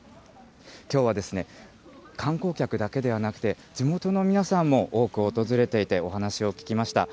きょうは、観光客だけではなくて、地元の皆さんも多く訪れていて、お話を聞きました。